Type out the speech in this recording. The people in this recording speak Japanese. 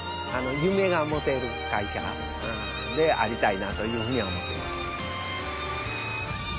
夢が持てる会社でありたいなというふうに思っています。